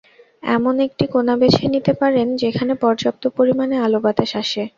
এমন একটি কোনা বেছে নিতে পারেন, যেখানে পর্যাপ্ত পরিমাণে আলো-বাতাস আসে।